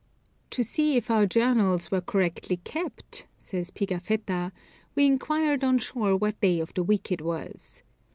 "To see if our journals were correctly kept," says Pigafetta, "we inquired on shore what day of the week it was.